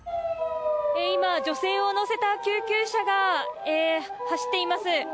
今、女性を乗せた救急車が走っています。